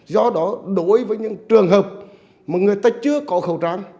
do đó đối với những trường hợp mà người ta chưa có khẩu trang